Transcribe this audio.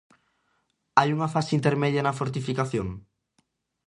Hai unha fase intermedia na fortificación?